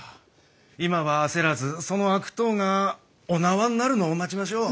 今は焦らずその悪党がお縄になるのを待ちましょう。